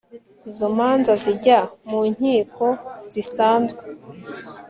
izo manza zijya mu inkiko zisanzwe